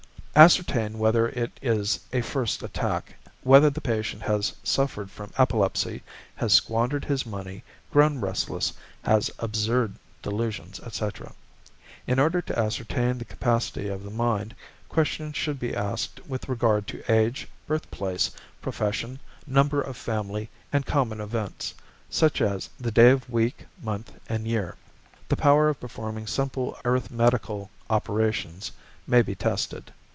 Ascertain whether it is a first attack, whether the patient has suffered from epilepsy, has squandered his money, grown restless, has absurd delusions, etc. In order to ascertain the capacity of the mind, questions should be asked with regard to age, birthplace, profession, number of family, and common events, such as the day of week, month, and year. The power of performing simple arithmetical operations may be tested.